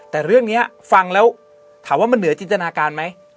แต่เรื่องนี้ฟังแล้วถามว่ามันเหนือจินตนาการไหม